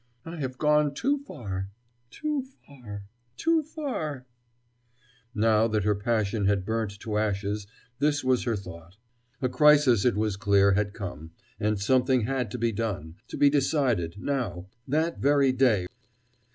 "I have gone too far, too far, too far " Now that her passion had burnt to ashes this was her thought. A crisis, it was clear, had come, and something had to be done, to be decided, now that very day.